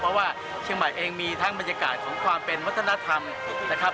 เพราะว่าเชียงใหม่เองมีทั้งบรรยากาศของความเป็นวัฒนธรรมนะครับ